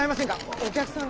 お客さんが。